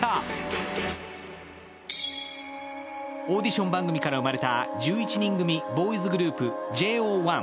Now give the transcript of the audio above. オーディション番組から生まれた１１人組ボーイズグループ・Ｊ０１。